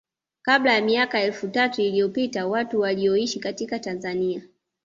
kabla ya miaka elfu tatu iliyopita watu walioishi katika Tanzania